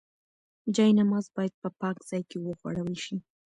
جاینماز باید په پاک ځای کې وغوړول شي.